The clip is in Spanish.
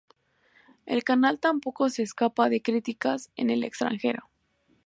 El canal tampoco se escapa de críticas en el extranjero.